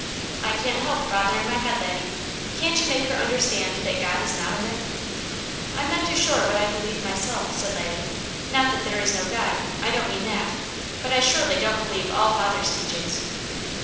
"I can't help bothering my head, Laddie. Can't you make her understand that God is not a myth?" "I'm none too sure what I believe myself," said Laddie. "Not that there is no God I don't mean that but I surely don't believe all father's teachings."